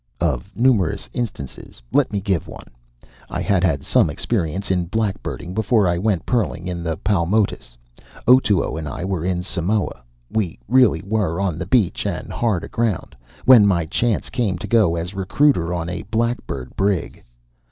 Of numerous instances, let me give one. I had had some experience in blackbirding before I went pearling in the Paumotus. Otoo and I were on the beach in Samoa we really were on the beach and hard aground when my chance came to go as recruiter on a blackbird brig.